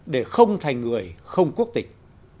để không thành người không quốc tịch